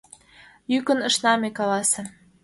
Йӱкын ышна ме каласе